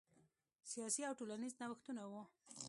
سیاسي او ټولنیز نوښتونه وو.